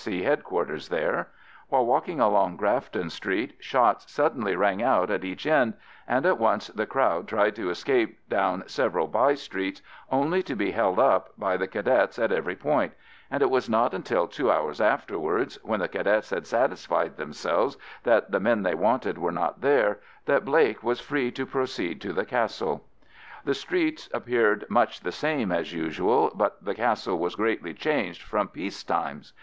I.C. Headquarters there. While walking along Grafton Street shots suddenly rang out at each end, and at once the crowd tried to escape down several by streets, only to be held up by the Cadets at every point; and it was not until two hours afterwards, when the Cadets had satisfied themselves that the men they wanted were not there, that Blake was free to proceed to the Castle. The streets appeared much the same as usual, but the Castle was greatly changed from peace times.